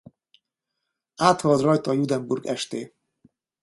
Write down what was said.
Áthalad rajta a Judenburg-St.